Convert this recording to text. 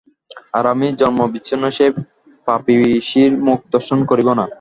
আর আমি জন্মাবচ্ছিন্নে সেই পাপীয়সীর মুখ দর্শন করিব না।